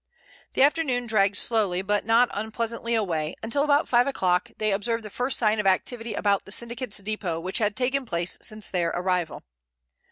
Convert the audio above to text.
The afternoon dragged slowly but not unpleasantly away, until about five o'clock they observed the first sign of activity about the syndicate's depot which had taken place since their arrival.